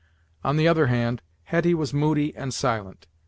On the other hand, Hetty was moody and silent.